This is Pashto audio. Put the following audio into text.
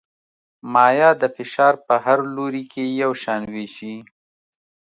مایع د فشار په هر لوري کې یو شان وېشي.